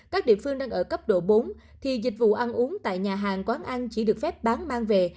các địa phương đang ở cấp độ bốn thì dịch vụ ăn uống tại nhà hàng quán ăn chỉ được phép bán mang về